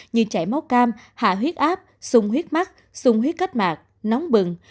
như chảy máu cam hạ huyết áp sung huyết mắt sung huyết cách mạng nóng bừng